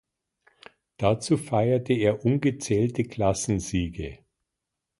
Dazu feierte er ungezählte Klassensiege.